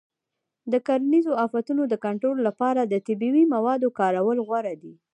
د کرنیزو آفتونو د کنټرول لپاره د طبیعي موادو کارول غوره دي.